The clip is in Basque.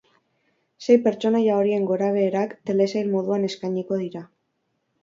Sei pertsonaia horien gorabeherak telesail moduan eskainiko dira.